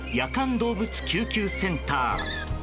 動物救急センター。